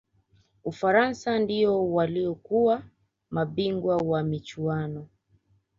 ufaransa ndiyo waliyokuwa mabingwa wa michuano